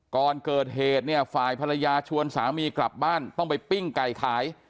ก่อนเกิดเหตุเนี่ยฝ่ายภรรยาชวนสามีกลับบ้านต้องไปปิ้งไก่ขาย